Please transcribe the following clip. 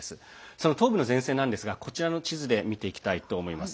その東部の戦線なんですが地図で見ていきたいと思います。